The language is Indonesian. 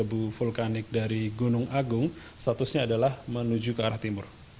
abu vulkanik dari gunung agung statusnya adalah menuju ke arah timur